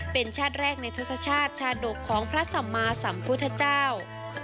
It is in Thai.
เป็นชาติแรกในทศชาติชาดกของพระสัมมาสัมพุทธเจ้า